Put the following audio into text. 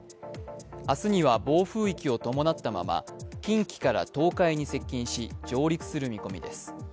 明日には暴風域を伴ったまま近畿から東海に接近し、上陸する見込みです。